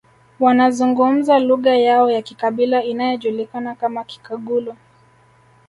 Wanazungumza lugha yao ya kikabila inayojulikana kama Kikagulu